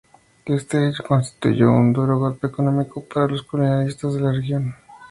Este hecho constituyó un duro golpe económico para los colonialistas de la región.